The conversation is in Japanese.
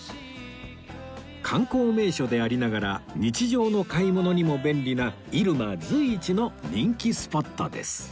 観光名所でありながら日常の買い物にも便利な入間随一の人気スポットです